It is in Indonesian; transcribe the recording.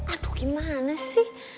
aduh gimana sih